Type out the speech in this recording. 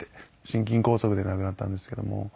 心筋梗塞で亡くなったんですけども。